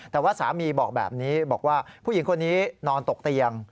แต่ว่าสามีบอกแบบนี้บอกว่าผู้หญิงคนนี้นอนตกเตียง